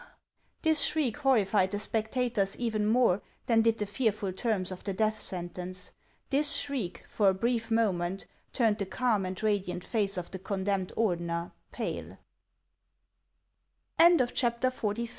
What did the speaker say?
This shriek horri fied the spectators even more than did the fearful terms of the death sentence ; this shriek for a brief moment turned the calm and radiant face of the condemned Ordener p